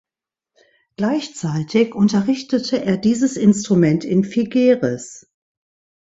Gleichzeitig unterrichtete er dieses Instrument in Figueres.